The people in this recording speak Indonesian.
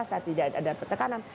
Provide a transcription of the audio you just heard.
saya tidak ada pertekanan